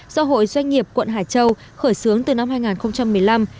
do hội doanh nghiệp quận hải châu khởi xướng từ năm hai nghìn một mươi năm